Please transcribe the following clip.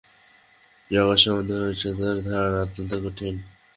জগৎ সম্বন্ধে উচ্চতর ধারণা অত্যন্ত কঠিন।